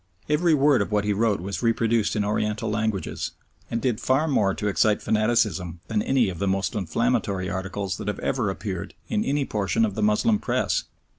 Every word of what he wrote was reproduced in oriental languages, and did far more to excite fanaticism than any of the most inflammatory articles that have ever appeared in any portion of the Moslem Press.